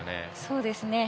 そうですね。